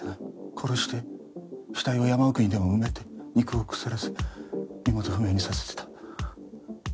殺して死体を山奥にでも埋めて肉を腐らせ身元不明にさせてた。